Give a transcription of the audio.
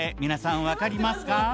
皆さん分かりますか？